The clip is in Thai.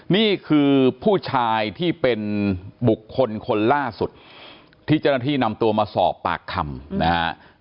นี่คือผู้ชายที่เป็นบุคคลคนล่าสุดที่เจ้าหน้าที่นำตัวมาสอบปากคำนะฮะ